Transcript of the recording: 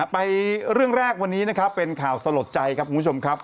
ไปเรื่องแรกวันนี้นะครับเป็นข่าวสลดใจครับคุณผู้ชมครับ